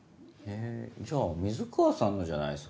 へぇじゃあ水川さんのじゃないっすか？